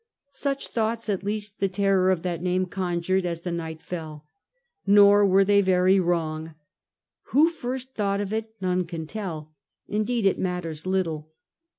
Such thoughts at least the terror of that name conjured as the night fell Nor were they very wrong. Who first thought of it^ none can telL Indeed it matters little.